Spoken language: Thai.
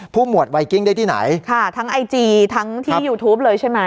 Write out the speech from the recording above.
หมวดไวกิ้งได้ที่ไหนค่ะทั้งไอจีทั้งที่ยูทูปเลยใช่ไหม